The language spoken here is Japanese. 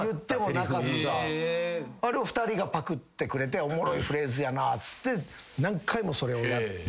あれを２人がパクってくれておもろいフレーズやなっつって何回もそれをやって。